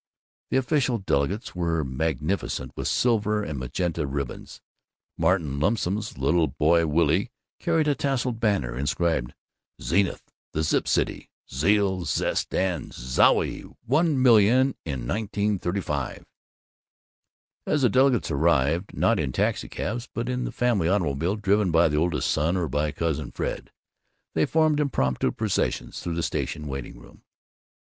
The official delegates were magnificent with silver and magenta ribbons. Martin Lumsen's little boy Willy carried a tasseled banner inscribed "Zenith the Zip City Zeal, Zest and Zowie 1,000,000 in 1935." As the delegates arrived, not in taxicabs but in the family automobile driven by the oldest son or by Cousin Fred, they formed impromptu processions through the station waiting room.